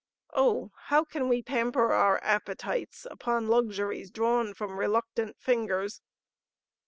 Oh, how can we pamper our appetites upon luxuries drawn from reluctant fingers?